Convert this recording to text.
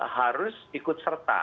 harus ikut serta